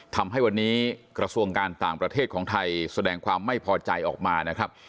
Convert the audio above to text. ทำให้วันนี้กระทรวงการต่างประเทศของไทยแสดงความไม่พอใจออกมานะครับ